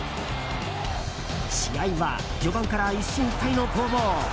試合は序盤から一進一退の攻防。